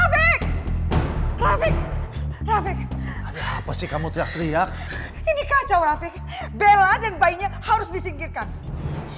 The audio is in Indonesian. rafiq rafiq rafiq apa sih kamu teriak teriak ini kacau rafiq bella dan bayinya harus disingkirkan